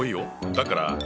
だから。